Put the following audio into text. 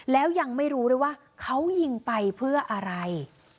แล้วยังไม่รู้ด้วยว่าเขายิงไปเพื่ออะไร